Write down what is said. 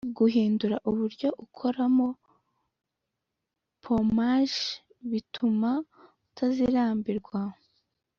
guhinduranya uburyo ukoramo pompaje bituma utazirambirwa